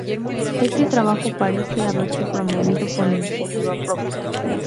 Este trabajo parece haberse promovido por iniciativa propia.